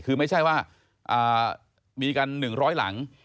คือไม่ใช่ว่ามีกันหนึ่งร้อยหลัง